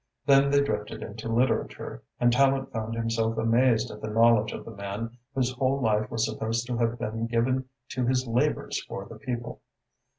Then they drifted into literature, and Tallente found himself amazed at the knowledge of the man whose whole life was supposed to have been given to his labours for the people.